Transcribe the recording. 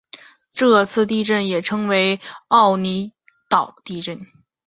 这次地震也称为奥尻岛地震。